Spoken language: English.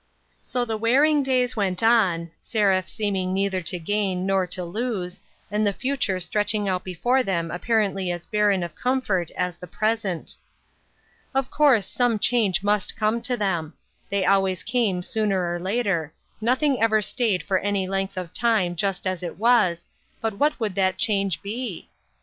So the wearing days went on, Seraph seeming neither to gain, nor to lose, and the future stretch ing out before them apparently as barren of comfort as the present. Of course some change must come to them ; they always came sooner or later; nothing ever stayed for any length of time just as it was, but what would the change be